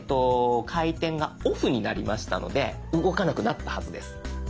回転が「ＯＦＦ」になりましたので動かなくなったはずです。